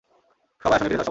সবাই আসনে ফিরে যাও, সবাই!